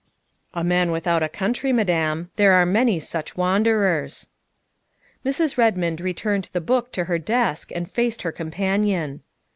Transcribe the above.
'' A man without a country, Madame ; there are many such wanderers. '' Mrs. Redmond returned the book to her desk and faced her companion.